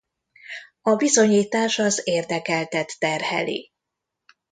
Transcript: A bizonyítás az érdekeltet terheli.